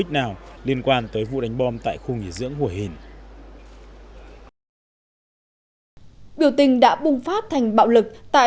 ích nào liên quan tới vụ đánh bom tại khu nghỉ dưỡng hùa hìn biểu tình đã bùng phát thành bạo lực tại